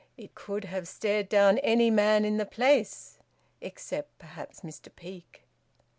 It could have stared down any man in the place, except perhaps Mr Peake.